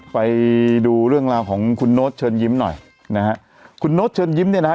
ไปดูเรื่องราวของคุณโน๊ตเชิญยิ้มหน่อยนะฮะคุณโน๊ตเชิญยิ้มเนี่ยนะฮะ